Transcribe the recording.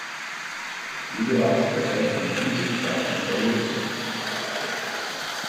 Diese Lautsprecher können unsichtbar installiert werden.